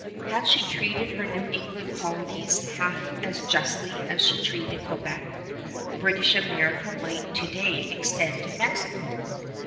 Had she treated her New England colonies half as justly as she treated Quebec, British America might to day extend to Mexico.